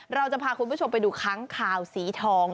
เราจะพาคุณผู้ชมไปดูค้างคาวสีทอง